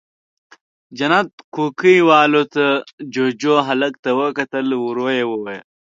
جنت کوکۍ والوته، جُوجُو، هلک ته وکتل، ورو يې وويل: